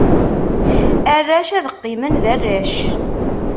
Arrac ad qqimen d arrac.